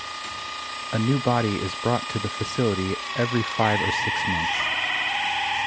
A new body is brought to the facility every five or six months.